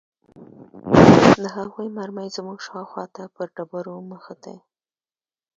د هغوې مرمۍ زموږ شاوخوا ته پر ډبرو مښتې.